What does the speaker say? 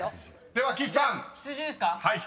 ［では岸さん羊は？］